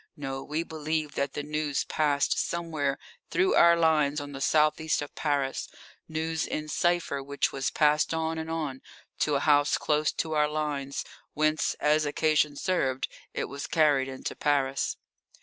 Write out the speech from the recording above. No, we believed that the news passed somewhere through our lines on the south east of Paris news in cipher which was passed on and on to a house close to our lines, whence, as occasion served, it was carried into Paris.